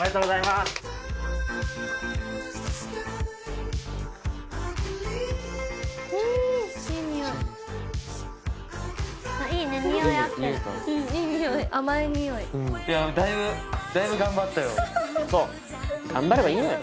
そう頑張ればいいのよ。